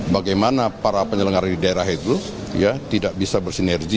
bagaimana para penyelenggara di daerah itu tidak bisa bersinergi